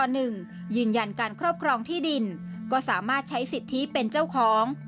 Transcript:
ยืนยันการครอบครองที่ดินก็สามารถใช้สิทธิเป็นเจ้าของ